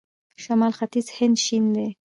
شمال ختیځ هند شین دی.